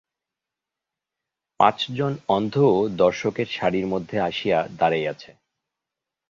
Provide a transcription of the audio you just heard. পাঁচজন অন্ধও দর্শকের সারির মধ্যে আসিয়া দাঁড়াইয়াছে।